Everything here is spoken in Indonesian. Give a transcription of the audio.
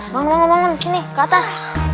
bangun bangun bangun sini ke atas